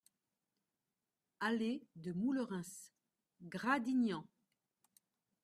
Allée de Moulerens, Gradignan